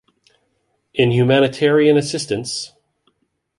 In humanitarian assistance